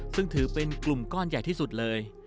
ซึ่งถือเป็นกลุ่มก้อนใหญ่ที่สุดเลย